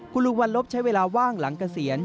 คุณลุงวันลบใช้เวลาว่างหลังเกษียณ